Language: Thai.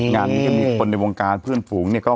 งานมีคนในวงการเพื่อนฝุ่งเนี่ย